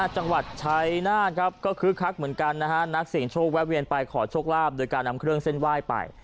จังหวัดชัยนาธครับก็คึกคักเหมือนกันนะฮะนักเสียงโชคแวะเวียนไปขอโชคลาภโดยการนำเครื่องเส้นไหว้ไป